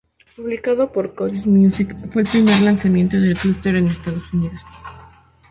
Publicado por Curious Music, fue el primer lanzamiento de Cluster en Estados Unidos.